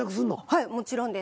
はいもちろんです。